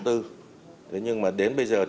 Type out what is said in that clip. thế nhưng mà đến bây giờ